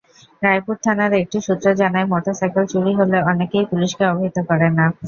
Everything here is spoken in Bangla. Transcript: রায়পুর থানার একটি সূত্র জানায়, মোটরসাইকেল চুরি হলে অনেকেই পুলিশকে অবহিত করে না।